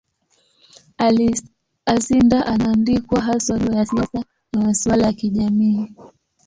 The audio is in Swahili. Alcindor anaandikwa haswa juu ya siasa na masuala ya kijamii.